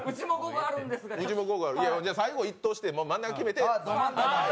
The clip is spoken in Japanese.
じゃ最後１投して真ん中決めて。